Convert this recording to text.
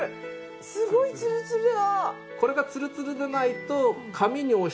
すごいツルツルだ！